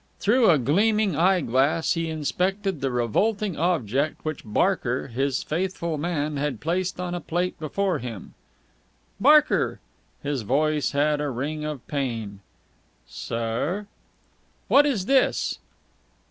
Through a gleaming eye glass he inspected the revolting object which Barker, his faithful man, had placed on a plate before him. "Barker!" His voice had a ring of pain. "Sir?" "What's this?"